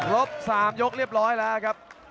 บ๓ยกเรียบร้อยแล้วครับ